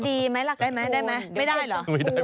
ได้ไหมไม่ได้เหรอ